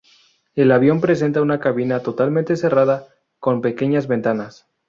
El avión presentaba una cabina totalmente cerrada, con pequeñas ventanas.